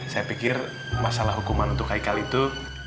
saya pikir masalah hukuman untuk haikal itu